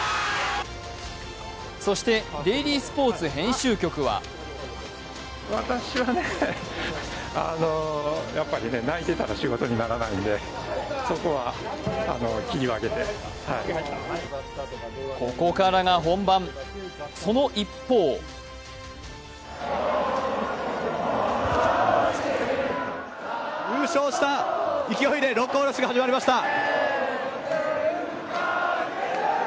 そして「デイリースポーツ」編集局はここからが本番、その一方優勝した勢いで「六甲おろし」が始まりました。